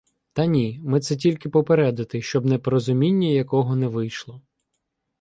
— Та ні - ми це тільки попередити, щоб непорозуміння якого не вийшло.